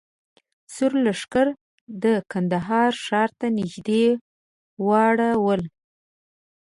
سور لښکر د کندهار ښار ته نږدې واړول.